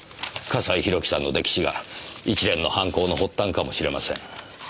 笠井宏樹さんの溺死が一連の犯行の発端かもしれません。